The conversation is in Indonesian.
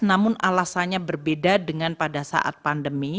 namun alasannya berbeda dengan pada saat pandemi